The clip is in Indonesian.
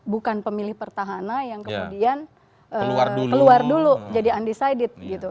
bukan pemilih pertahanan yang kemudian keluar dulu jadi undecided gitu